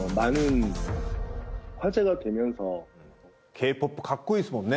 Ｋ−ＰＯＰかっこいいですもんね。